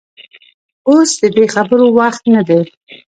اوس د دې خبرو وخت نه دى.